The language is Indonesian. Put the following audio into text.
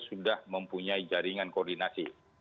sudah mempunyai jaringan koordinasi